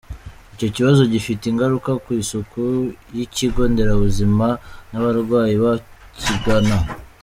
Icyo kibazo gifite ingaruka ku isuku y’ikigo nderabuzima n’abarwayi bakigana.